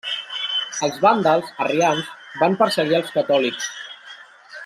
Els vàndals, arrians, van perseguir els catòlics.